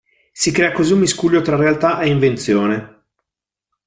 Si crea così un miscuglio tra realtà e invenzione.